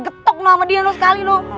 ketuk sama dia sekali loh